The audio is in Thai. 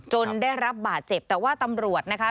ได้รับบาดเจ็บแต่ว่าตำรวจนะคะ